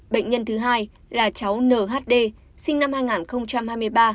bệnh nhân thứ hai là cháu nhd sinh năm hai nghìn hai mươi ba